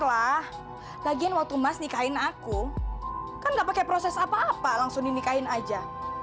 lah lagian waktu mas nikahin aku kan gak pakai proses apa apa langsung dinikahin aja